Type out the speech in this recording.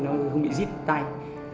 nó không bị giít tay